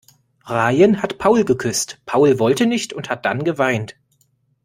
Rayen hat Paul geküsst, Paul wollte nicht und hat dann geweint.